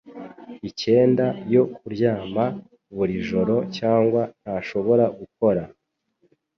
icyenda yo kuryama buri joro cyangwa ntashobora gukora